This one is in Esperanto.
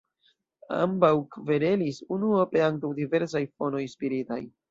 Ambaŭ kverelis, unuope antaŭ diversaj fonoj spiritaj.